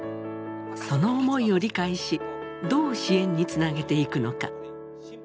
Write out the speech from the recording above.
その思いを理解しどう支援につなげていくのか。